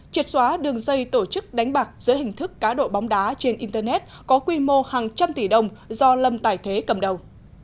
triệt xóa đường dây tổ chức đánh bạc dưới hình thức cá độ bóng đá trên internet có quy mô hàng trăm tỷ đồng do lâm tài thế cầm đầu